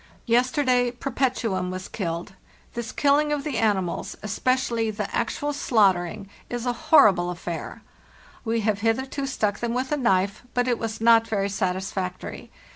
Yesterday ' Perpetuum' was killed. This killing of the animals, especially the actual slaughtering, is a horri ble affair. We have hitherto stuck them with a knife, but it was not very satisfactory.